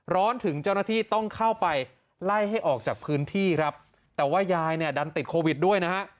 ร้อนถึงเจ้าหน้าที่ต้องเข้าไปไล่ให้ออกจากพื้นที่ครับแต่ว่ายายเนี่ยดันติดโควิดด้วยนะฮะ